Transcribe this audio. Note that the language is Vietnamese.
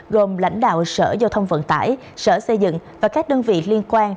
gồm lãnh đạo sở giao thông vận tải sở xây dựng và các đơn vị liên quan